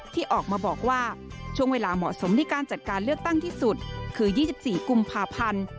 ที่ออกมาบอกว่าช่วงเวลาเหมาะสมในการจัดการเลือกตั้งที่สุดคือ๒๔กุมภาพันธ์